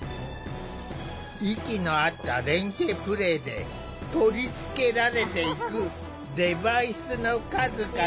息の合った連係プレイで取り付けられていくデバイスの数々。